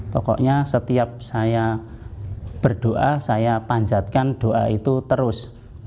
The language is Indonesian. pokoknya setiap saya berdoa saya panjatkan doa itu terus